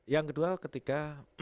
yang kedua ketika